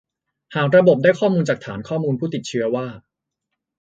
หากระบบได้ข้อมูลจากฐานข้อมูลผู้ติดเชื้อว่า